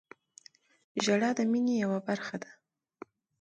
• ژړا د مینې یوه برخه ده.